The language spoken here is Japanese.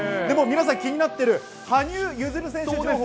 でも皆さん気になってる、羽生結弦選手情報。